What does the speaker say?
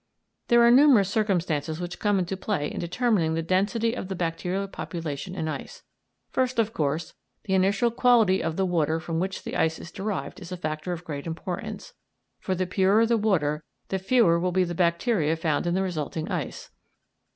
There are numerous circumstances which come into play in determining the density of the bacterial population in ice. First, of course, the initial quality of the water from which the ice is derived is a factor of great importance, for the purer the water the fewer will be the bacteria found in the resulting ice.